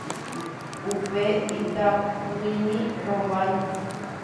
upe itapỹimi rovái